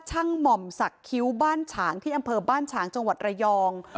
หม่อมสักคิ้วบ้านฉางที่อำเภอบ้านฉางจังหวัดระยอง